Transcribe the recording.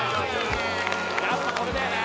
やっぱこれだよね